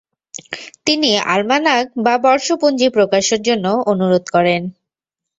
তিনি আল্মানাক বা বর্ষপুঞ্জি প্রকাশের জন্য অনুরোধ করেন।